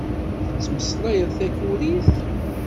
Tettmeslayeḍ takurit?